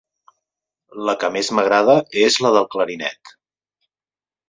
La que més m'agrada és la del clarinet.